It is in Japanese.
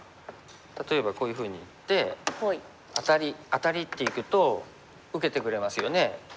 例えばこういうふうにいってアタリアタリっていくと受けてくれますよね。